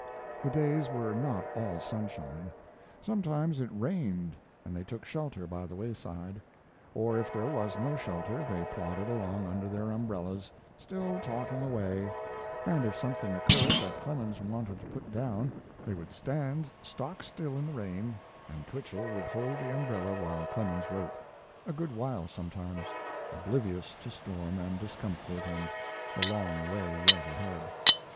The days were not all sunshine. Sometimes it rained and they took shelter by the wayside, or, if there was no shelter, they plodded along under their umbrellas, still talking away, and if something occurred that Clemens wanted to put down they would stand stock still in the rain, and Twichell would hold the umbrella while Clemens wrote a good while sometimes oblivious to storm and discomfort and the long way yet ahead.